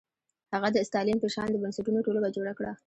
هغه د ستالین په شان د بنسټونو ټولګه جوړه کړه.